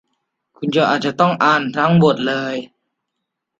คุณอาจจะต้องอ่านทั้งบทเลย